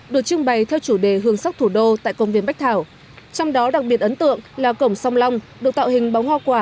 được trưng bày theo chủ đề hương sắc thủ đô tại công viên bách thảo trong đó đặc biệt ấn tượng là cổng song long được tạo hình bóng hoa quả